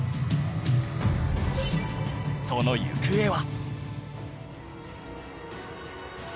その行方は